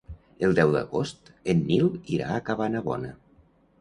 El deu d'agost en Nil irà a Cabanabona.